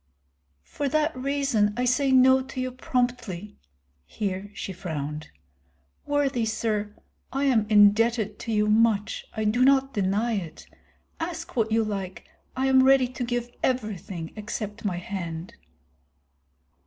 "For that reason I say no to you promptly." Here she frowned. "Worthy sir, I am indebted to you much, I do not deny it. Ask what you like, I am ready to give everything except my hand."